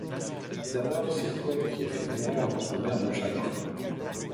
D’abord, c’est toi qui as fait mourir notre mère de chagrin...